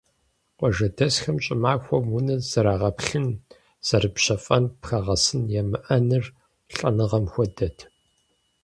Къуажэдэсхэм щӀымахуэм унэр зэрагъэплъын, зэрыпщэфӀэн пхъэгъэсын ямыӀэныр лӀэныгъэм хуэдэт.